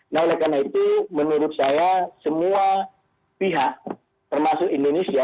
nah oleh karena itu menurut saya semua pihak termasuk indonesia